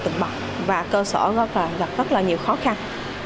từng bậc và cơ sở gặp rất là nhiều khó khăn